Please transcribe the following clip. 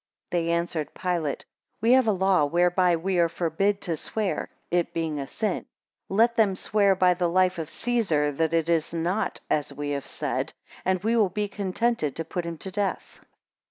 14 They answered Pilate, We have a law whereby we are forbid to swear, it being a sin: Let them swear by the life of Caesar that it is not as we have said, and we will be contented to be put to death.